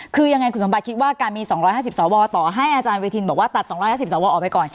คือยังไงคุณสมบัติคิดว่าการมีสองร้อยห้าสิบสอวอต่อให้อาจารย์เวทีนบอกว่าตัดสองร้อยห้าสิบสอวอออกไปก่อน